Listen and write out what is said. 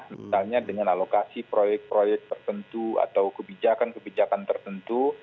misalnya dengan alokasi proyek proyek tertentu atau kebijakan kebijakan tertentu